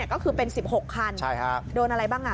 ก็คือเป็น๑๖คันโดนอะไรบ้าง